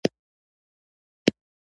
د پلار سیوری مې له سر څخه والوت.